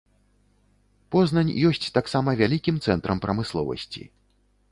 Познань ёсць таксама вялікім цэнтрам прамысловасці.